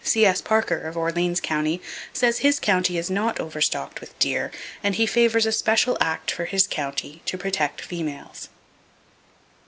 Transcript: C.S Parker, of Orleans County, says his county is not overstocked with deer, and he favors a special act for his county, to protect females.